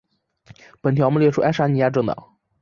本条目列出爱沙尼亚政党。